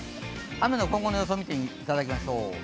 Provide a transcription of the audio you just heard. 雨の今後の予想を見ていただきましょう。